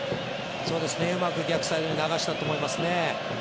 うまく逆サイドに流したと思いますね。